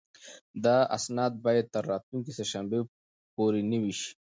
دا اسناد باید تر راتلونکې سه شنبې پورې نوي شي.